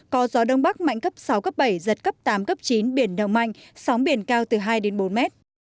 có gió đông bắc mạnh cấp sáu cấp bảy giật cấp tám cấp chín biển động mạnh sóng biển cao từ hai đến bốn mét